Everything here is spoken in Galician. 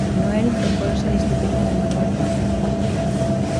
Noel incorpórase á disciplina de Manuel Pablo.